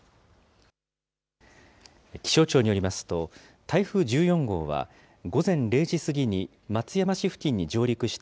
気象庁によりますと、台風１４号は午前０時過ぎに松山市付近に上陸した